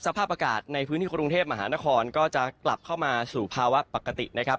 สภาพอากาศในพื้นที่กรุงเทพมหานครก็จะกลับเข้ามาสู่ภาวะปกตินะครับ